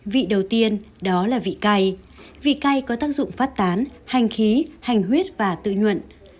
vị đầu tiên đó là vị cay vị cay có tác dụng phát tán hành khí hành huyết và tự nguyện